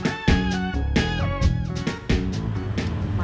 tasnya si rahma